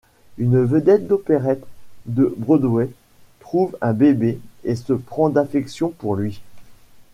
Une vedette d'opérette de Broadway trouve un bébé et se prend d'affection pour lui.